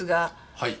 はい。